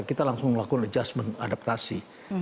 kita langsung melakukan adjustment adaptasi